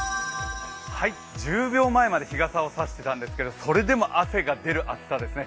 １０秒前まで日傘を差していたんですが、それでも汗が出る暑さですね。